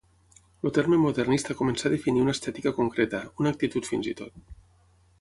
El terme Modernista començà definir una estètica concreta, una actitud fins i tot.